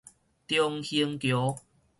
中興橋